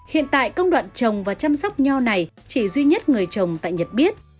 hiện tại công đoạn trồng và chăm sóc nho này chỉ duy nhất người trồng tại nhật biết